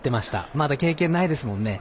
まだ経験ないですもんね。